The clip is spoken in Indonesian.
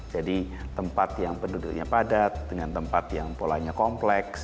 jadi tempat yang penduduknya padat dengan tempat yang polanya kompleks